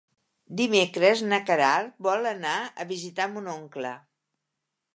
Dimecres na Queralt vol anar a visitar mon oncle.